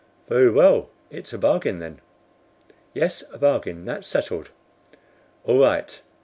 "Very well, it's a bargain, then." "Yes, a bargain; that's settled." "All right.